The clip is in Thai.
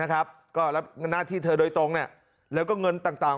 ก็รับหน้าที่เธอโดยตรงแล้วก็เงินต่าง